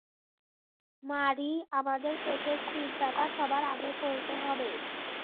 মারি, আমাদের পেটের চিন্তাটা সবার আগে করতে হবে।